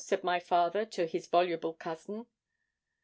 said my father to his voluble cousin.